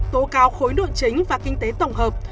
tố cáo khối nội chính và kinh tế tổng hợp